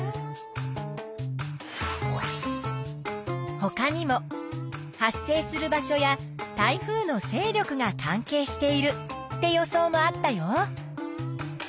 ほかにも発生する場所や台風のせい力が関係しているって予想もあったよ。